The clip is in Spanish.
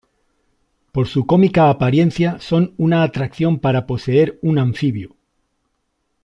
Por su cómica apariencia, son una atracción para poseer un anfibio.